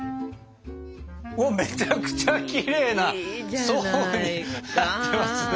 おっめちゃくちゃきれいな層になってますね。